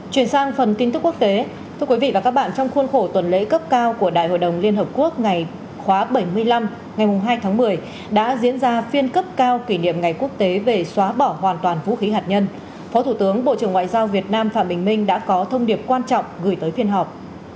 chuyển sang phần tin tức quốc tế thưa quý vị và các bạn trong khuôn khổ tuần lễ cấp cao của đại hội đồng liên hợp quốc ngày khóa bảy mươi năm ngày hai tháng một mươi đã diễn ra phiên cấp cao kỷ niệm ngày quốc tế về xóa bỏ hoàn toàn vũ khí hạt nhân phó thủ tướng bộ trưởng ngoại giao việt nam phạm bình minh đã có thông điệp quan trọng gửi tới phiên họp